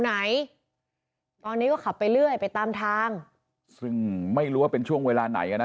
ไหนตอนนี้ก็ขับไปเรื่อยไปตามทางซึ่งไม่รู้ว่าเป็นช่วงเวลาไหนอ่ะนะ